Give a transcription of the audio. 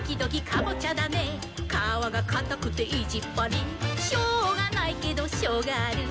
「かわがかたくていじっぱり」「しょうがないけどショウガある」